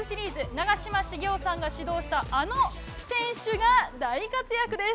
長嶋茂雄さんが指導したの選手が大活躍です。